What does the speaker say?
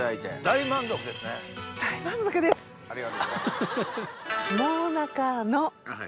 大満足です！あっ。